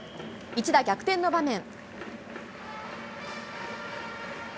一打逆転の場面。